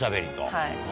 はい。